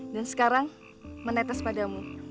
dan sekarang menetes padamu